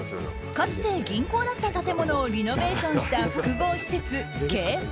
かつて銀行だった建物をリノベーションした複合施設